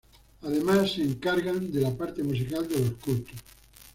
Además se encargan de la parte musical de los cultos.